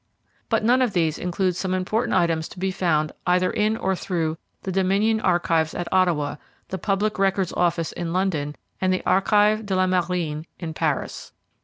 But none of these includes some important items to be found either in or through the Dominion Archives at Ottawa, the Public Records Office in London, and the Archives de la Marine in Paris.